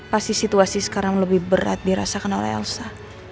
pasti situasi sekarang lebih berat dirasakan oleh elsa